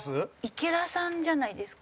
池田さんじゃないですか？